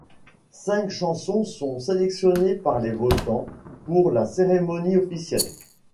Cinq chansons sont sélectionnées par les votants pour la cérémonie officielle.